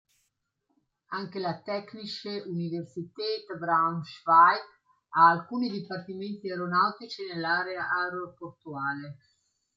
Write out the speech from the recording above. Anche la Technische Universität Braunschweig ha alcuni dipartimenti aeronautici nell'area aeroportuale.